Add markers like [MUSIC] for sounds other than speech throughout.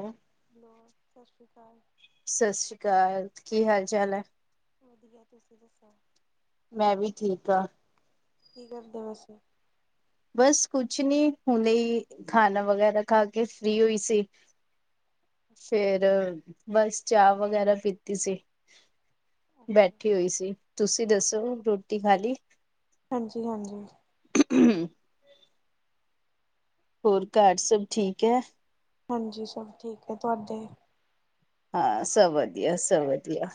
ਹੈ [INAUDIBLE] ਹੈਲੋ ਸਸ ਸ਼੍ਰੀ ਕਾਲ। ਸਸ ਸ੍ਰੀ ਕਾਲ, ਕੀ ਹਾਲ-ਚਾਲ ਐ? ਵਧੀਆ, ਤੁਸੀਂ ਦੱਸੋ? ਮੈਂ ਵੀ ਠੀਕ ਆ। ਕੀ ਕਰਦੇ ਵੇਸੇ? ਬਸ ਕੁਛ ਨੀ ਹੁਨੇ ਈ ਖਾਨਾ ਵਗੈਰਾ ਖਾ ਕੇ ਫ੍ਰਰੀ ਹੋਈ ਸੀ। ਓਕੇ ਫੇਰ, ਬਸ ਚਾ ਵਗੈਰਾ ਪੀਤੀ ਸੀ। ਓਕੇ ਬੈਠੀ ਹੋਈ ਸੀ, ਤੁਸੀਂ ਦੱਸੋ ਰੋਟੀ ਖਾਲੀ? ਹਾਂਜੀ-ਹਾਂਜੀ। [INAUDIBLE] ਹੋਰ ਘਰ ਸਭ ਠੀਕ ਐ? ਹਾਂਜੀ ਸਭ ਠੀਕ ਐ, ਤੁਹਾਡੇ? ਹਾਂ ਸਭ ਵਧੀਆ-ਵਧੀਆ।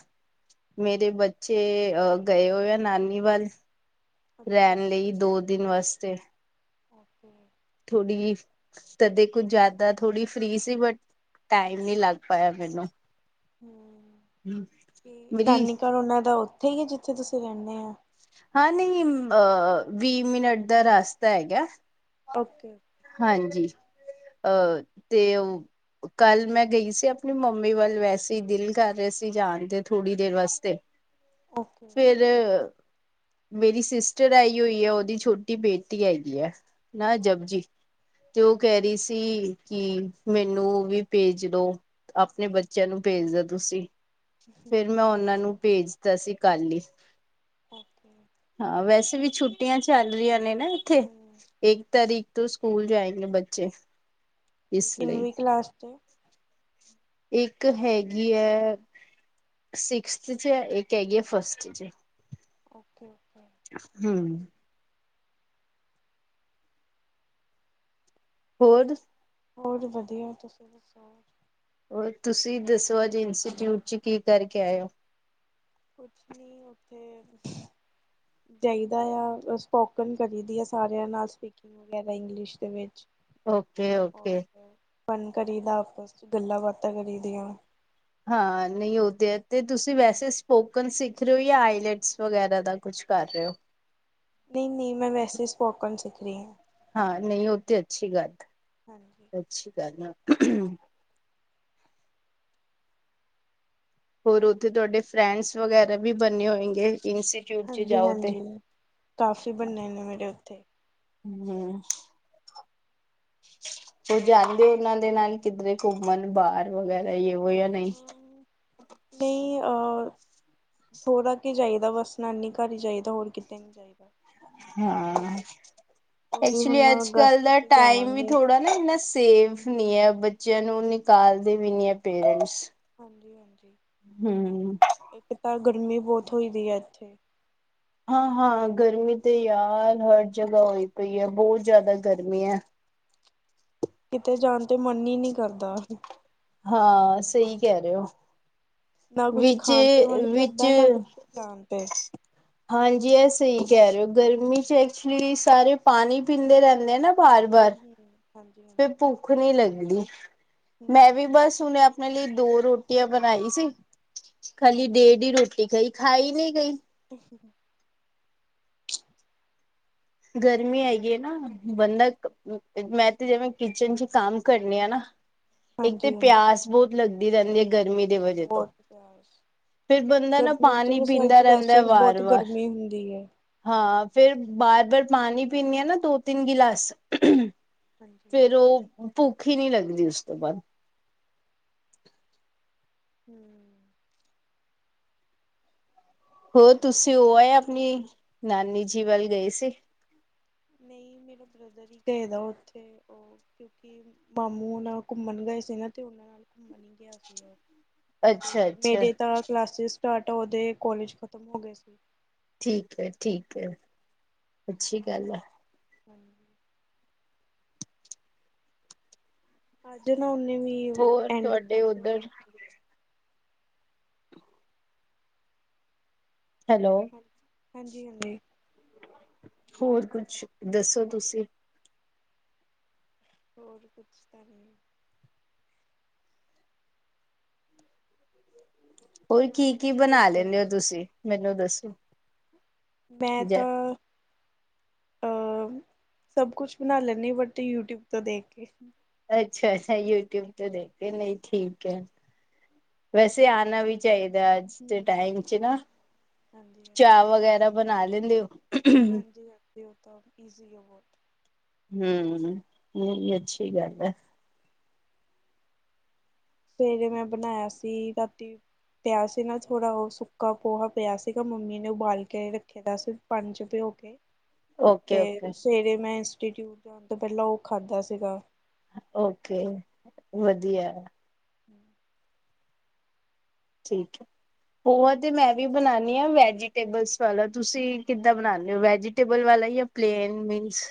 ਮੇਰੇ ਬੱਚੇ ਅ ਗਏ ਹੋਏ ਆ ਨਾਨੀ ਵੱਲ ਅੱਛਾ ਰੈਨ ਅੱਛਾ ਲਈ ਦੋ ਦਿਨ ਵਾਸਤੇ। ਓਕੇ। ਥੋੜੀ ਕਦੇ ਕੁਝ ਜਾਦਾ ਥੋੜ੍ਹੀ ਫਰੀ ਸੀ ਬਟ, ਟਾਈਮ ਨੀ ਲੱਗ ਪਾਇਆ ਮੈਨੂੰ ਹੂੰ, ਤੇ ਮੇਰੀ ਨਾਨੀ ਘਰ ਉਨਾਂ ਦਾ ਉੱਥੇ ਈ ਐ ਜਿੱਥੇ ਤੁਸੀਂ ਰੈਨੇ ਆ? ਹਾਂ ਨਈ, ਅ ਵੀ ਮਿਨਟ ਦਾ ਰਸਤਾ ਹੈਗੈ। ਓਕੇ। ਹਾਂਜੀ, ਅ ਤੇ ਉ ਕੱਲ ਮੈਂ ਗਈ ਸੀ ਆਪਨੀ ਮੰਮੀ ਵੱਲ ਵੈਸੇ ਈ ਦਿਲ ਕਰ ਰਿਆ ਸੀ ਜਾਨ ਤੇ ਥੋੜ੍ਹੀ ਦੇਰ ਵਾਸਤੇ ਓਕੇ ਫੇਰ ਓਕੇ ਮੇਰੀ ਸਿਸਟਰ ਆਈ ਹੋਈ ਐ ਉਦੀ ਛੋਟੀ ਬੇਟੀ ਆਈ ਐ ਨਾਂ ਐ ਜਪੁਜੀ। ਤੇ ਉ ਕੈ ਠੀਕ ਰੀ ਸੀ ਕਿ ਮੈਨੂੰ ਵੀ ਭੇਜ ਦੋ ਆਪਨੇ ਬੱਚਿਆਂ ਨੂੰ ਭੇਜ ਦਿਓ ਤੁਸੀਂ। ਫੇਰ ਮੈਂ ਉਨਾਂ ਨੂੰ ਭੇਜਤਾ ਸੀ ਕੱਲ ਈ। ਓਕੇ। ਹਾਂ ਵੈਸੇ ਵੀ ਛੁੱਟੀਆਂ ਚੱਲ ਰਈਆਂ ਨੇ ਨਾ ਇੱਥੇ ਹਮ ਇੱਕ ਤਾਰੀਕ- ਤੋ ਸਕੂਲ ਜਾਏਂਗੇ ਬੱਚੇ। ਇਸ ਲਈ ਕਿੰਨਵੀਂ ਕਲਾਸ ਚੇ। ਏਕ ਹੈਗੀ ਐ- ਸਿਕਸਥ ਚ ਏਕ ਹੈਗੀਏ ਫਸਟ ਚ- ਓਕੇ -ਓਕੇ। ਹੂੰ। ਹੋਰ ਹੋਰ ਵਧੀਆ ਤੁਸੀਂ ਦੱਸੋ। ਹੋਰ ਤੁਸੀਂ ਦੱਸੋ ਅੱਜ ਇੰਸਟੀਚਿਊਟ ਚ ਕੀ ਕਰਕੇ ਆਏ ੳ। ਕੁਛ ਨਹੀਂ ਉੱਥੇ ਜਾਇਦਾ ਯਾ, ਸਪੋਕਨ ਕਰੀ ਦੀ ਆ ਸਾਰਿਆਂ ਨਾਲ, ਸਪੀਕਿੰਗ। ਵਗੈਰਾ ਇੰਗਲਿਸ਼ ਦੇ ਵਿੱਚ। ਓਕੇ ਹੋਰ, ਓਕੇ ਫਨ ਕਰੀਦਾ ਆਪਸ'ਚ ਗੱਲਾਂ-ਬਾਤਾਂ ਕਰੀਦੀਆਂ। ਹਾਂ, ਨਈਂ ਓ ਤੇ ਐ, ਤੇ ਤੁਸੀਂ ਵੈਸੇ ਨਹੀਂ ਪੋਕਨ ਸਿੱਖ ਰਹੇ ਓ, ਯਾ ਆਈਲੈਟਸ ਵਗੈਰਾ ਦਾ ਕੁਛ ਕਰ ਰਹੇ ਓ? ਨਹੀਂ-ਨਹੀਂ, ਮੈਂ ਵੈਸੇ ਸਪੋਕਨ ਸਿੱਖ ਰਹੀ ਆਂ। ਹਾਂ-ਨਹੀਂ, ਓ ਤੇ ਅੱਛੀ ਗੱਲ ਹਾਂਜੀ। ਆ, ਅੱਛੀ ਗੱਲ ਆ। ਹੋਰ ਉੱਥੇ ਤੁਹਾਡੇ ਫਰੈਂਡਸ ਵਗੈਰਾ ਵੀ ਬੰਣੇੇ ਹੋਏਗੇ, ਇਨ ਹਾਂਜੀ-ਹਾਂਜੀ, ਕਾਫੀ ਬਣੇ ਨੇ ਮੇਰੇ ਉੱਥੇ। ਹੂੰ-ਹੂੰ ਉਹ ਜਾਂਦੇ ਉਹਨਾਂ ਦੇ ਨਾਲ ਕਿਧਰੇ ਘੁੰਮਣ ਬਾਹਰ ਵਗੈਰਾ ਯੇ-ਵੋ ਯਾ ਨਹੀਂ। ਨਹੀਂ ਅ ਥੋੜ੍ਹਾ ਕ ਜਾਈਦਾ ਬਸ, ਨਾਨੀ ਘਰ ਈ ਜਾਈਦਾ ਹੋਰ ਕਿਤੇ ਨੀ ਜਾਈਦਾ। ਹਾਂ ਉਹ ਵੀ ਐਕਚੁਲੀ ਹੁਣ ਅੱਜ-ਕੱਲ ਅਗਸਤ ਦਾ ਚ ਟਾਈਮ ਵੀ ਜਾਵਾਂਗੇ ਥੋੜ੍ਹਾ ਨਾ ਇੰਨਾ ਸੇਵ ਨਹੀਂ ਐ, ਬੱ ਹਾਂਜੀ ਬੱਚਿਆਂ ਨੂੰ ਨਿਕਾਲਦੇ ਵੀ ਨੀ ਐ, ਪੇਰੈਂਟਸ। ਹਾਂਜੀ-ਹਾਂਜੀ, ਹਮ ਇੱਕ ਤਾਂ ਗਰਮੀ ਬਹੁਤ ਹੋਈ ਵੀ ਆ, ਇੱਥੇ। ਹਾਂ-ਹਾਂ, ਗਰਮੀ ਤੇ ਯਾਰ ਹਰ ਜਗ੍ਹਾ ਹੋਈ ਪਈ ਐ, ਬਹੁਤ ਜ਼ਿਆਦਾ ਗਰਮੀ ਐ। ਕਿਤੇ ਜਾਣ ਤੇ ਮਨ ਈ ਨਹੀਂ ਕਰਦਾ। ਹਾਂ, ਸਹੀ ਕਹਿ ਰਹੇ ਓ। ਨਾ ਕੁਛ ਵਿੱਚ, ਖਾਣ ਤੇ ਮਨ ਵਿੱਚ ਕਰਦਾ ਨਾ ਕੁਛ ਜਾਣ ਤੇ। ਹਾਂਜੀ, ਐ ਸਹੀ ਕਹਿ ਰਹੇ ਓ, ਗਰਮੀ'ਚ ਐਕਚੁਲੀ ਸਾਰੇ ਪਾਣੀ ਪੀਂਦੇ ਰਹਿੰਦੇ ਨਾ ਬਾਰ ਬਾਰ ਹੂੰ-ਹੂੰ ਫਿਰ ਭੁੱਖ ਨਹੀਂ ਲੱਗਦੀ, ਮੈਂ ਹੂੰ ਵੀ ਬਸ ਉਹਨੇ ਆਪਣੇ ਲਈ ਦੋ ਰੋਟੀਆਂ ਬਣਾਈ ਸੀ, ਖਾਲੀ ਹਾਂਜੀ। ਡੇਢ ਈ ਰੋਟੀ ਖਾਈ ਖਾਈ ਨਹੀਂ ਗਈ। [INAUDIBLE] ਗਰਮੀ ਹੈਗੀ ਏ ਨਾ, ਬੰਦਾ ਮੈਂ ਤੇ ਜਿਵੇਂ ਕਿਚਨ'ਚ ਕੰਮ ਕਰਨੀ ਆ ਨਾ ਇੱਕ ਤੇ ਹਾਂਜੀ ਹਾਂਜੀ ਪਿਆਸ ਬਹੁਤ ਲੱਗਦੀ ਰਹਿੰਦੀ ਏ, ਗਰਮੀ ਦੇ ਵਜੇ ਤੋਂ ਬਹੁਤ ਪਿਆਸ। ਫਿਰ ਬੰਦਾ ਨਾ ਗਰਮੀ'ਚ, ਪਾਣੀ ਪੀਂਦਾ ਰਸੋਈ'ਚ ਰਹਿੰਦਾ ਵੈਸੇ ਵੀ ਵਾਰ ਬਹੁਤ ਵਾਰ ਗਰਮੀ ਹੁੰਦੀ ਏ। ਹਾਂ, ਫੇਰ ਬਾਰ-ਬਾਰ ਪਾਣੀ ਪੀਂਨੇ ਆ ਨਾ, ਦੋ-ਤਿੰਨ ਗਿਲਾਸ ਹਾਂਜੀ ਫੇਰ ਉਹ ਭੁੱਖ ਈ ਨਹੀਂ ਲੱਗਦੀ, ਉਸ ਤੋਂ ਬਾਅਦ। ਹੂੰ ਹੋਰ ਤੁਸੀਂ ਹੋ ਆਏ ਅਪਨੀ, ਨਾਨੀ ਜੀ ਵੱਲ ਗਏ ਸੀ? ਨਹੀਂ, ਮੇਰਾ ਬ੍ਰਦਰ ਹੀ ਗਏਦਾ ਉੱਥੇ, ਉਹ ਕਿਉਂਕਿ ਮਾਮੂ ਨਾਲ ਘੁੰਮਣ ਗਏ ਸੀ ਨਾ, ਤੇ ਉਹਨਾਂ ਨਾਲ ਘੁੰਮਣ ਈ ਗਿਆ ਸੀ ਉਹ। ਅੱਛਾ ਤੇ ਅੱਛਾ ਮੇਰੇ ਤਾਂ ਕਲਾਸਿਸ ਸਟਾਰਟ, ਉਹਦੇ ਕੋਲੇਜ ਖ਼ਤਮ ਹੋ ਗਏ ਸੀ। ਠੀਕ ਐ, ਠੀਕ ਐ, ਅੱਛੀ ਗੱਲ ਆ। [INAUDIBLE] ਅੱਜ ਨਾ, ਉਹਨੇ ਵੀ ਹੋਰ ਐਂਡ ਤੁਹਾਡੇ ਤੱਕ ਉਧਰ ਹੈਲੋ ਹ ਹਾਂਜੀ-ਹਾਂਜੀ। ਹੋਰ ਕੁਛ, ਦੱਸੋ ਤੁਸੀ? ਹੋਰ ਕੁੱਚ ਤਾ ਨੀ। ਹੋਰ ਕੀ-ਕੀ ਤੁਸੀਂ ਬਨਾ ਦੱਸੋ ਲੈਂਦੇ ਓ ਤੁਸੀਂ ਮੈਨੂੰ ਦੱਸੋ? ਮੈਂ ਜ ਤਾਂ ਅ, ਸਬ ਕੁਛ ਬਣਾ ਲੈਨੇ ਆ ਬਟ ਯੂਟਿਊਬ ਤੋਂ ਦੇਖ ਕੇ। ਅੱਛਾ-ਅੱਛਾ, ਯੂਟਿਊਬ ਤੋਂ ਦੇਖ ਕੇ ਨਈ ਠੀਕ ਐ। ਵੈਸੇ ਆਨਾ ਵੀ ਚਾਈਦਾ ਆੱਜ ਦੇ ਹੂੰ, ਟਾਈਮ ਚ ਨਾ ਹਾਂਜੀ ਹਾਂਜੀ ਚਾਂ ਵਗੈਰਾ ਬਨਾ ਲੈਂਦੇ ਓ? ਹਾਂਜੀ-ਹਾਂਜੀ, ਓ ਤਾਂ ਇਜ਼ੀ ਆ ਬੋਤ। ਹੂੰ, ਨਈ ਅੱਛੀ ਗੱਲ ਏ। ਸਵੇਰੇ ਮੈਂ ਬਣਾਇਆ ਸੀ ਰਾਤੀ ਪਿਆ ਸੀ ਨਾ ਥੋੜਾ ਓ ਸੁੱਕਾ ਪੋਹਾ ਪਿਆ ਸੀਗਾ ਮੰਮੀ ਨੇ ਉਬਾਲ ਕੇ ਰੱਖੇਆ ਦਾ ਸੀ ਪਾਨੀ ਚ ਭਿਓ ਕੇ। ਓਕੇ-ਓਕੇ ਤੇ ਸਵੇਰੇ ਮੈਂ ਇੰਸਟੀਟਿਊਟ ਜਾਨ ਤੋਂ ਪੈਲਾਂ ਓ‌ ਖਾਧਾ ਸੀਗਾ। ਓਕੇ ਹਾਂਜੀ ਵਦੀਐ। [INAUDIBLE] ਠੀਕ ਐ। ਪੋਹਾ ਤੇ ਮੈਂ ਵੀ ਬਨਾਨੀ ਆ ਵੈਜੀਟੇਬਲਸ ਵਾਲਾ ਤੁਸੀਂ ਕਿੱਦਾਂ ਬਨਾਨੇ ਓ ਵੈਜੀਟੇਬਲ ਵਾਲਾ ਯਾਂ ਪਲੇਨ ਮੀਨਸ।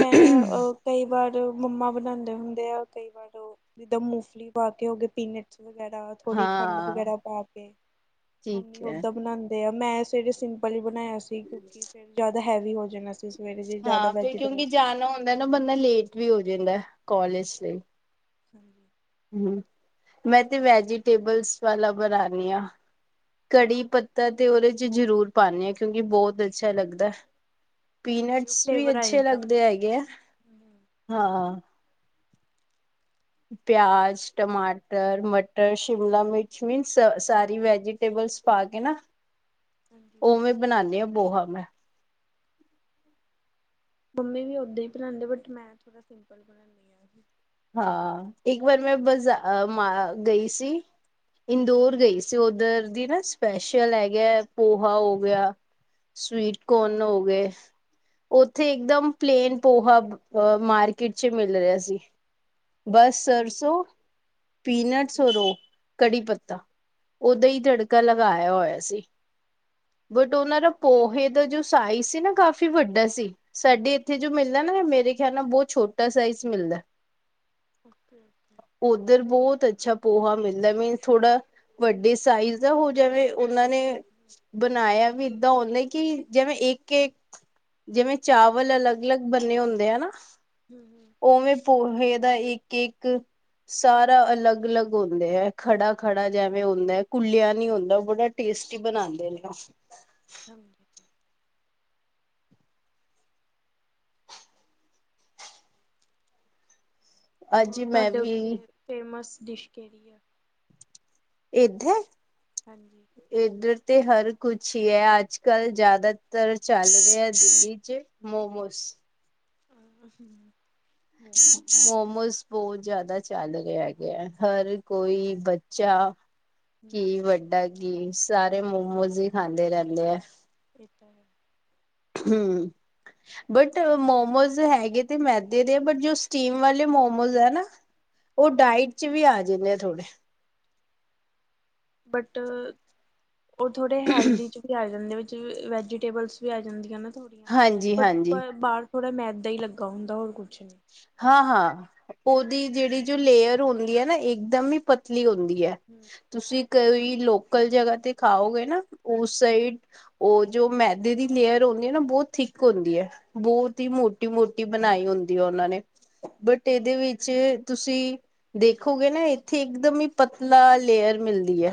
ਮੈਂ ਅ ਕਈ ਵਾਰ ਮੰਮਾ ਬਨਾੰਦੇ ਹੁੰਦੇ ਆ ਕਈ ਵਾਰ ਓ ਜਿੱਦਾਂ ਮੂੰਫਲੀ ਪਾ ਕੇ ਹੋ ਗਏ ਪੀਨਟਸ ਵਗੈਰਾ ਥੋੜੀ ਖੰਡ ਹਾਂ ਵਗੈਰਾ ਪਾ ਕੇ ਮੰਮੀ ਠੀਕ ਹੈ ਓਦਾਂ ਬਣਾੰਦੇ ਆ ਮੈਂ ਸਵੇਰੇ ਸਿੰਮ ਪਰ ਈ ਬਨਾਇਆ ਸੀ ਕਿਉਂਕਿ ਫਿਰ ਜੈਦਾ ਹੈਵੀ ਹੋ ਜਾਨਾ ਸੀ ਸਵੇਰੇ ਜੇ ਜੈਦਾ ਹਾਂ ਵੈਜ ਫਿਰ ਕਿਉਂਕਿ ਜਾਨਾ ਹੁੰਦਾ ਨਾ ਬੰਦਾ ਲੇਟ ਵੀ ਹੋ ਜਾਂਦਾ ਕੋਲੇਜ ਸੇ। ਹਾਂ। ਹੂੰ, ਮੈਂ ਤੇ ਵੈਜੀਟੇਬਲਸ ਵਾਲਾ ਬਣਾਨੀ ਆ। ਕੜੀ ਪੱਤਾ ਤੇ ਓਦੇ ਚ ਜ਼ਰੂਰ ਪਾਨੇ ਆ ਕਿਉਂਕਿ ਬੋਤ ਅੱਛਾ ਲੱਗਦੈ। ਹਾਂਜੀ ਉਹ ਪੀਨਟਸ ਵੀ ਫਲੇਵਰ ਆ ਅੱਛੇ ਜਾਂਦਾ ਲੱਗਦੇ ਉਹਦੇ ਹੈਗੇ ਆ, ਹਾਂਜੀ ਹਾਂ। ਪਿਆਜ, ਟਮਾਟਰ, ਮਟਰ, ਸ਼ਿਮਲਾ ਮਿਰਚ ਮਿਨਸ ਸਾਰੀ ਵੈਜੀਟੇਬਲਸ ਪਾ ਕੇ ਨਾ ਹਾਂਜੀ ਓਵੇਂ ਬਨਾਨੀ ਆ ਪੋਹਾ ਮੈਂ। ਮੰਮੀ ਵੀ ਓਦਾਂ ਈ ਬਨਾੰਦੇ ਬਟ ਮੈਂ ਥੋੜਾ ਸਿੰਪਲ ਬਨਾਨੀ ਆਂ। ਹਾਂ, ਇੱਕ ਵਾਰ ਮੈਂ ਬਜ਼ਾ ਅ ਮਾ ਗਈ ਸੀ ਇੰਦੋਰ ਹਮ ਗਈ ਸੀ ਸੀ ਓਦਰ ਦੀ ਨਾ ਸਪੈਸ਼ਲ ਹੈਗੈ ਪੋਹਾ ਹੋ ਗਿਆ ਸਵੀਟ ਕੋਣ ਅੱਛਾ ਹੋ ਗਏ। ਓੱਥੇ ਇਕਦਮ ਪਲੇਨ ਪੋਹਾ ਮਾਰਕੀਟ ਚ ਮਿਲ ਰਿਆ ਸੀ। ਬਸ ਸਰਸੋਂ, ਓਕੇ ਪੀਨਟਸ ਹਾਂਜੀ ਔਰ ਓ। ਕੜੀ ਪੱਤਾ ਓਦਾਂ ਈ ਤੜਕਾ ਲਗਾਇਆ ਹੋਇਆ ਸੀ। ਬਟ ਓਨਾਂ ਦਾ ਪੋਹੇ ਦਾ ਜੋ ਸਾਈਜ਼ ਸੀ ਨਾ ਕਾਫ਼ੀ ਵੱਡਾ ਸੀ। ਸਾਡੇ ਇੱਥੇ ਜੋ ਮਿਲਦਾ ਨਾ ਮੇਰੇ ਖਿਆਲ ਨਾਲ ਬੋਤ ਛੋਟਾ ਸਾਈਜ਼ ਮਿਲਦਾ। ਓਕੇ-ਓਕੇ। ਉੱਧਰ ਬਹੁਤ ਅੱਛਾ ਪੋਹਾ ਮਿਲਦਾ ਮੀਨ ਥੋੜਾ ਵੱਡੇ ਸਾਈਜ਼ ਦਾ ਹੋ ਜਾਵੇ ਓਨਾਂ ਨੇ ਬਨਾਇਆ ਵੀ ਏਦਾਂ ਓਨੇ। ਕਿ ਜੈਵੇਂ ਇੱਕ-ਇੱਕ ਜੈਵੇਂ ਚਾਵਲ ਅਲੱਗ-ਅਲੱਗ ਬੰਨੇ ਹੁੰਦੇ ਆ ਨਾ। ਹੂੰ। ਓਵੇਂ ਪੋਹੇ ਦਾ ਇੱਕ-ਇੱਕ ਸਾਰਾ ਅਲੱਗ-ਅਲੱਗ ਹੁੰਦੇ ੲੈ ਖੜਾ-ਖੜਾ ਜੈਵੇਂ ਹੁੰਦੈ, ਕੁੱਲੇਆ ਨੀ ਹੁੰਦਾ ਉਹ ਬੜਾ ਟੇਸਟੀ ਬਣਾਦੇ ਨੇ ਓ [UNINTELLIGIBLE] ਜੀ ਅੱਜ ਹੋਰ ਮੈਂ ਤਾਡੇ ਵੀ ਉੱਥੇ ਫੇਮਸ ਡਿਸ਼ ਕੇੜੀ ੲੈ- ਏਧੇ ਹਾਂਜੀ ਏਧਰ ਤੇ ਹਰ ਕੁਛ ਈ ੲੈ, ਅੱਜ-ਕੱਲ ਜਾਦਾਤਰ ਚੱਲ ਰੇਆ ਦਿੱਲੀ ਚ ਮੋਮੋਸ ਆ, ਹੂੰ ਮੋਮੋਸ ਬੋ ਜਾਦਾ ਚੱਲ ਰੇਆ ਹੈ, ਗੈ, ਹਰ ਕੋਈ ਬੱਚਾ ਕੀ ਹਮ ਵੱਡਾ, ਕੀ ਸਾਰੇ ਮੋਮੋਜ਼ ਹੀ ਖਾਂਦੇ ਰੈਂਦੇ ਐ- ਏ ਤਾਂ ਹੈ ਹੂੰ ਬਟ ਮੋਮੋਜ਼ ਹੈਗੇ ਤੇ ਮੈਦੇ ਦੇ, ਬਟ ਜੋ ਸਟੀਮ ਵਾਲੇ ਮੋਮੋਜ਼ ਐ ਨਾ - [INAUDIBLE] ਓ ਡਾਇਟ ਚ ਵੀ ਆ ਜਾਂਦੇ ਥੋੜੇ ਬਟ, ਓ ਥੋੜੇ ਹੈਲਦੀ ਚ ਵੀ ਆ ਜਾਂਦੇ ਵਿੱਚ, ਵੈਜੀਟੇਬਲਸ ਵੀ ਆ ਜਾਂਦੀਆਂ ਨਾ ਥੋੜੀਆਂ, ਬਟ ਹਾਂਜੀ-ਹਾਂਜੀ, ਬ ਬਾਰ ਥੋੜਾ ਮੈਦਾ ਈ ਲੱਗਾ ਹੁੰਦਾ, ਹੋਰ ਕੁਛ ਨੀ ਹਾਂ-ਹਾਂ, ਓਦੀ ਜੇੜੀ ਜੋ ਲੇਅਰ ਹੁੰਦੀ ਐ ਨਾ, ਏਕਦਮ ਈ ਪਤਲੀ ਹੁੰਦੀ ਐ- ਹੂੰ ਤੁਸੀਂ ਕਵੀ ਲੋਕਲ ਜਗਾ ਤੇ ਖਾਓਗੇ ਨਾ ਉਸੇਈ ਓ ਜੋ ਮੈਦੇ ਦੀ ਲੇਅਰ ਹੁੰਦੀ ਐ ਨਾ, ਬੋਤ ਥਿੱਕ ਹੁੰਦੀ ੲੈ ਬੋਤ ਈ ਮੋਟੀ-ਮੋਟੀ ਬਣਾਈ ਹੁੰਦੀ, ਓਨਾ ਨੇ, ਬਟ ਏਦੇ ਵਿੱਚ ਤੁਸੀਂ, ਦੇਖੋਗੇ ਨਾ ਏਥੇ ਇੱਕਦਮ ਈ ਪਤਲਾ ਲੇਅਰ ਮਿਲਦੀ ਐ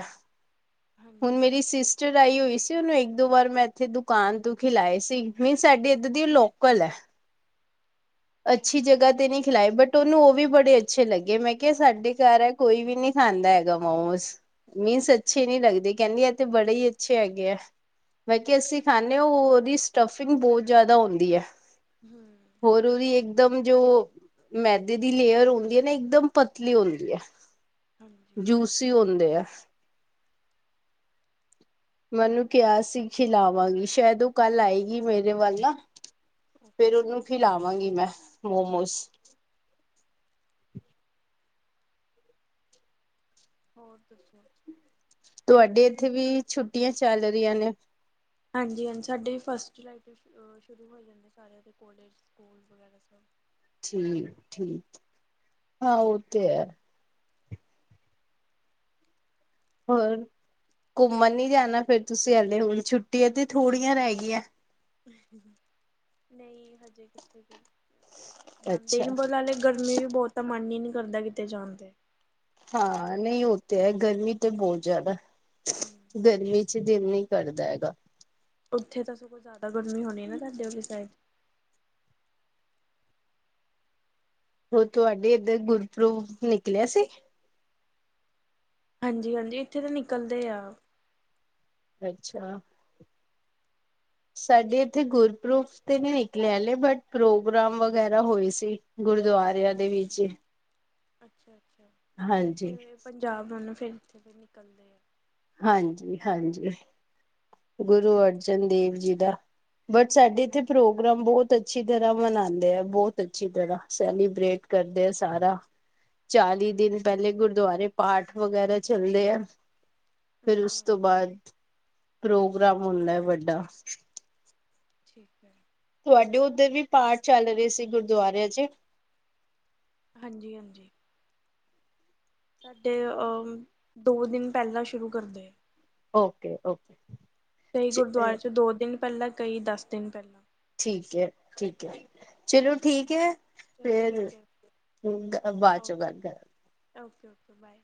ਹੁਣ ਹਾਂਜੀ ਹਾਂਜੀ ਮੇਰੀ ਹਾਂਜੀ ਸਿਸ ਚਰਾਈ ਹੋਈ ਸੀ, ਉਨੂੰ ਏਕ-ਦੋ ਵਾਰ ਮੈਂ ਥੇ ਦੁਕਾਨ ਤੋਂ ਖਿਲਾਏ ਸੀ, ਮੀਨ ਸਾਡੀ ਇੱਧਰ ਦੀ ਲੋਕਲ ਐ ਅੱਛੀ ਓਕੇ ਜਗਾ ਤੇ ਨਈ ਖਿਲਾਏ ਬਟ ਤੋਨੂੰ ਉਹ ਵੀ ਬੜੇ ਅੱਛੇ ਲੱਗੇ, ਮੈਂ ਕੇਅੲ ਸਾਡੇ ਘੱਰ ਐ ਕੋਈ ਵੀ ਨੀ ਖਾਂਦਾ ਹੈਗਾ ਮੋਮਸ ਮੀਨਸ ਅੱਛੇ ਨੀ ਲੱਗਦੇ, ਕੈੰਦੀ ਆ ਤੇ ਹਮ ਬੜੇ ਈ ਅੱਛੇ ਹੈਗੇ ਐ, ਮੈ ਕੇਆ ਅਸੀਂ ਖਾਂਦੇ ਓ, ਓਦੀ ਸਟਫਿੰਗ ਬੋ ਜਾਦਾ ਹੁੰਂਦੀ ਐ ਹੂੰ ਹੋਰੋ ਦੀ ਏਕਦਮ ਜੋ ਮੈਦੇ ਦੀ ਲੇਅਰ ਹੁੰਦੀ ਨਾ ਇੱਕਦਮ ਪਤਲੀ ਹੁੰਦੀ ਐ ਹਾਂਜੀ ਜੂਸੀ ਓਦੇ ਐ ਮੈਨੂੰ ਓਨੂੰ ਕੇਆ ਸੀ, ਖਿਲਾਵਾਂਗੀ ਸ਼ੈਦ ਓ ਕੱਲ ਆਏਗੀ ਮੇਰੇ ਵੱਲ ਨਾ ਫੇਰ ਓਕੇ ਉਨੂੰ ਖਿਲਾਵਾਂਗੀ ਮੈਂ, ਮੋਮੋਸ ਹੋਰ ਦੱਸੋ ਤਵਾਡੇ ਏਥੇ ਵੀ ਛੁੱਟੀਆਂ ਚੱਲ ਰੀਆ ਨੇ ਆਜੀ-ਆਜੀ ਸਾਡੇ ਫਸਟ ਜੁਲਾਈ ਤੋਂ ਸ਼ ਅ ਸ਼ੁਰੂ ਹੋ ਜਾਂਦੇ ਸਾਰੇਆਂ ਦੇ ਕੋਲਜ, ਸਕੂਲ ਵਗੈਰਾ ਸਭ ਠੀਕ-ਠੀਕ, ਹਾਂ ਓ ਤੇ ਐ ਹੋਰ, ਘੁੰਮਣ ਨੀ ਜਾਣਾ ਫੇਰ ਤੁਸੀ ਐਲੇ, ਹੁਣ ਛੁੱਟੀਆਂ ਤੇ ਥੋੜੀਆ ਰੈਗੀ ਐ ਨਈ ਹਜੇ ਕਿੱਥੇ ਫੇਰ, ਜਾਂਦੇ ਅੱਛਾ ਨੂੰ ਬਲਾਲੇ ਗਰਮੀ ਵੀ ਬੌਤ ਆ ਮਨ ਈ ਨੀ ਕਰਦਾ ਕਿਤੇ ਜਾਣ ਤੇ ਹਾਂ ਨਈ ਓ ਤੇ ਹੈ ਗਰਮੀ ਤੇ ਬੌਤ ਜਆਦਾ ਗਰਮੀ ਚ ਦਿਲ ਨਈ ਕਰਦਾ ਹੈਗਾ। ਉੱਥੇ ਤਾ ਸਗੋ ਜ਼ਿਆਦਾ ਗਰਮੀ ਹੋਣੀ ਨਾ ਤਾਡੇ ਅਲੀ ਸੈਡ? ਹੋਰ ਤੁਆਡੇ ਏਧਰ ਗੁਰਪਰੁਵ ਨਿਕਲਿਆ ਸੀ? ਹਾਂਜੀ, ਹਾਂਜੀ ਏਥੇ ਤਾ ਨਿਕਲਦੇ ਆ। ਅੱਛਾ ਸਾਡੇ ਏਥੇ ਗੁਰਪਰੁਵ ਤੇ ਨੀ ਨਿਕਲੇਆ ਹਲੇ ਬਟ ਪ੍ਰੋਗਰਾਮ ਵਗੈਰਾ ਹੋਏ ਸੀ ਗੁਰਦੁਆ ਹੁੰ ਅੱਛਾ -ਅੱਛਾ ਹਾਂਜੀ ਏਥੇ ਪੰਜਾਬ ਨਾਲੋ ਫੇਰ ਇੱਥੇ ਦੇ ਨਿਕਲਦੇ ਐ। ਹਾਂਜੀ -ਹਾਂਜੀ ਗੁਰੂ ਅਰਜਨ ਦੇਵ ਜੀ ਦਾ ਬਟ ਸਾਡੇ ਏਥੇ ਹਾਂਜੀ ਪ੍ਰੋ ਪ੍ਰਮ ਬੌਤ ਅੱਛੀ ਤਰ੍ਹਾਂ ਮਨਾਂਦੇ ਆ ਬੌਤ ਅੱਛੀ ਤਰਾਂ ਸੈਲੀਬ੍ਰੇਟ ਕਰਦੇ ਆ ਸਾਰਾ। [INAUDIBLE] ਚਾਲੀ ਦਿਨ ਪੈਲੇ ਗੁਰਦਵਾਰੇ ਪਾਠ ਵਗੈਰਾ ਚੱਲਦੇ ਆ। ਫਿਰ ਉਸ ਅੱਛਾ ਤੋਂ ਬਾਅਦ ਪ੍ਰੋਗਰਾਮ ਹੁੰਦੈ ਵੱਡਾ। ਠੀਕ ਐ। ਤੁਆਡੇ ਓਦਰ ਵੀ ਪਾਠ ਚੱਲ ਰੇ ਸੀ ਗੁਰਦਵਾਰਿਆਂ ਚ? ਹਾਂਜੀ -ਹਾਂਜੀ ਸਾਡੇ ਔ ਦੋ ਦਿਨ ਪੈਲਾਂ ਸ਼ੁਰੂ ਕਰਦੇ ਆ। ਓਕੇ- ਓਕੇ ਕਈ ਗੁਰਦੁਆਰੇ ਚ ਦੋ ਦਿਨ ਪੈਲਾ ਕਈ ਦਸ ਦਿਨ ਪੈਲਾਂ। ਠੀਕ ਐ, ਠੀਕ ਐ, ਚਲੋ ਠੀਕ ਐ। ਚਲ ਫੇਰ ਠੀਕ ਹੈ ਗ ਬਾਅਦ ਚੋ ਓਕੇ ਗੱਲ ਕਰਾਂਗ ਓਕੇ, ਓਕੇ ਬਾਏ।